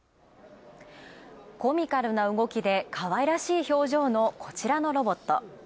コミカルな動きでかわいらしい表情のこちらのロボット。